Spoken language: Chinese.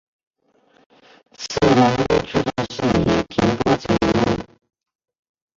此栏列出的是已停播节目。